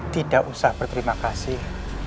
tidak perlu berterima kasih